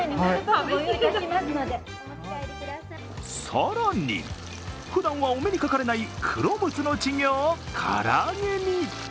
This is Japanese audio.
更に、ふだんはお目にかかれないクロムツの稚魚を唐揚げに。